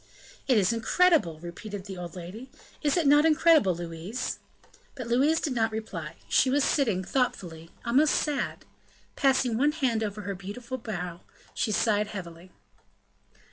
"It is incredible!" repeated the old lady: "is it not incredible, Louise?" But Louise did not reply; she was sitting, thoughtfully, almost sad; passing one had over her beautiful brow, she sighed heavily.